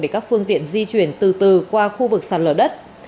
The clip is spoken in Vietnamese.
để các phương tiện di chuyển từ từ qua khu vực sạt lở đất